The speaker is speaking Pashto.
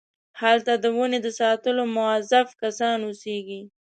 هلته د ونې د ساتلو موظف کسان اوسېږي.